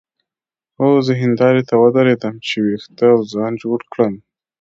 هو زه هندارې ته ودرېدم چې وېښته او ځان جوړ کړم.